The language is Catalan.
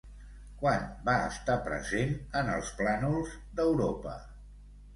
Quan va estar present en els plànols d'Europa?